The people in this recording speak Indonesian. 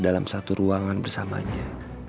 dalam satu ruangan bersamanya